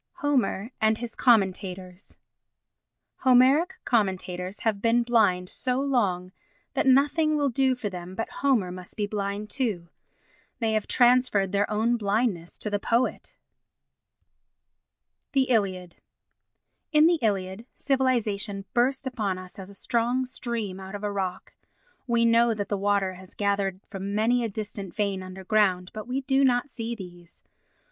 Homer and his Commentators Homeric commentators have been blind so long that nothing will do for them but Homer must be blind too. They have transferred their own blindness to the poet. The Iliad In the Iliad, civilisation bursts upon us as a strong stream out of a rock. We know that the water has gathered from many a distant vein underground, but we do not see these.